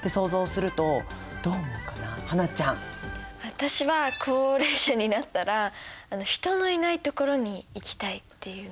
私は高齢者になったら人のいない所に行きたいっていうのが。